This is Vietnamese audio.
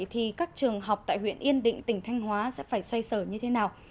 thì các trường học tại huyện yên định tỉnh thanh hóa sẽ phải xoay sở như thế nào